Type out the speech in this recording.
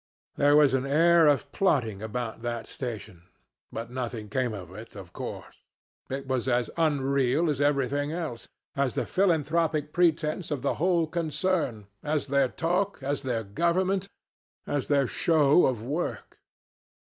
There was an air of plotting about that station, but nothing came of it, of course. It was as unreal as everything else as the philanthropic pretense of the whole concern, as their talk, as their government, as their show of work.